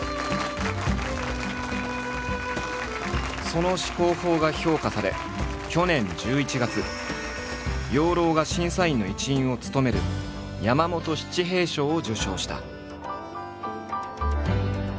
その思考法が評価され去年１１月養老が審査員の一員を務める山本七平賞を受賞した。